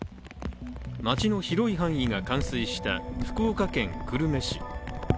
街の広い範囲が冠水した福岡県久留米市。